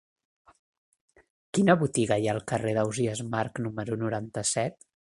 Quina botiga hi ha al carrer d'Ausiàs Marc número noranta-set?